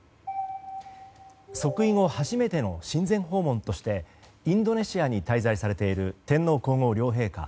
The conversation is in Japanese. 即位後初めての親善訪問としてインドネシアに滞在されている天皇・皇后両陛下。